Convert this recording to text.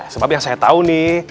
sebab yang saya tahu nih